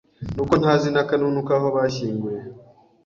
nuko ntazi n'akanunu kaho bashyinguye